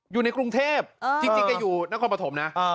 อยู่ในกรุงเทพฯจริงก็อยู่นักความประถมนะ